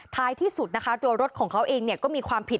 ท้ายที่สุดนะคะตัวรถของเขาเองก็มีความผิด